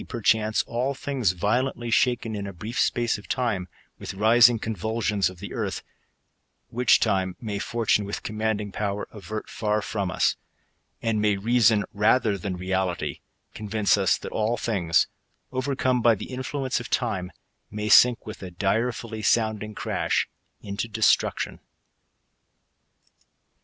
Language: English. • chance, all things violently shaken, in a brief space of time, with rising convulsions of the earth ; which time may Fortune, with commanding power, avert far from us ; and may reason, rather than reality, convince us that all things, overcome bi/ the infltience of time, may sink with a direfully sounding crash into destruction.